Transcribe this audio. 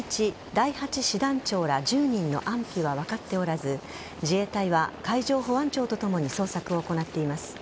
第８師団長ら１０人の安否は分かっておらず自衛隊は海上保安庁とともに捜索を行っています。